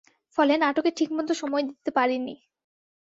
ফলে নাটকে ঠিকমতো সময় দিতে পারিনি।